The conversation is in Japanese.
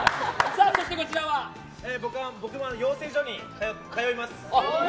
僕らは養成所に通います。